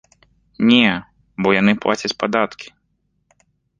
Не, бо яны плацяць падаткі!